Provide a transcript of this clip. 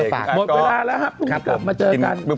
โอเคสิทธิ์กลับของทุกคน